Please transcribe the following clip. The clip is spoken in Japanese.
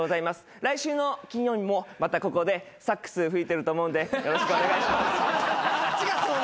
来週の金曜にもまたここでサックス吹いてると思うんでよろしくお願いします。